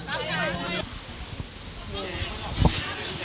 พระศักดิ์ไทย